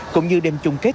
cũng như đêm chung kết